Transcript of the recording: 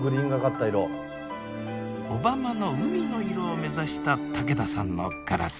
小浜の海の色を目指した竹田さんのガラス。